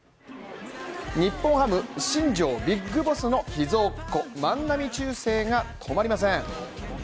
日本ハム・新庄ビッグボスの秘蔵っ子万波中正が止まりません。